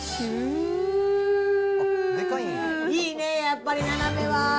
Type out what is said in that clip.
いいね、やっぱりななめは。